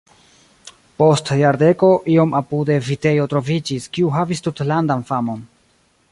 Post jardeko iom apude vitejo troviĝis, kiu havis tutlandan famon.